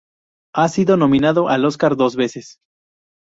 Ha sido nominado al Oscar dos veces.